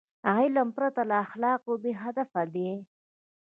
علم پرته له اخلاقو بېهدفه دی.